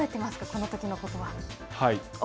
このときのことは。